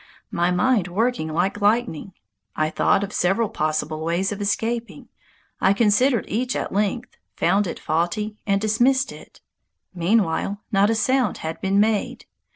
My mind working like lightning, I thought of several possible ways of escaping, I considered each at length, found it faulty, and dismissed it. Meanwhile, not a sound had been made.